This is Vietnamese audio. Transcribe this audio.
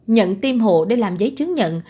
nhận tiêm hộ để làm giấy chứng nhận